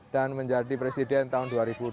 dan menjadi presiden tahun dua ribu dua puluh empat